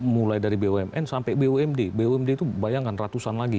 mulai dari bumn sampai bumd bumd itu bayangkan ratusan lagi